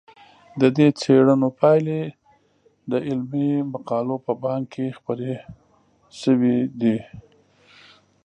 د دې څېړنو پایلې د علمي مقالو په بانک کې خپرې شوي دي.